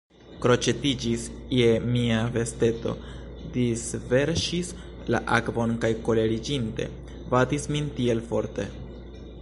Kroĉetiĝis je mia vesteto, disverŝis la akvon kaj koleriĝinte batis min tiel forte.